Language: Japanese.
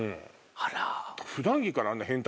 あら。